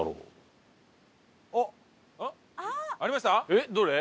えっどれ？